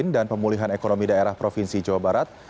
dan pemulihan ekonomi daerah provinsi jawa barat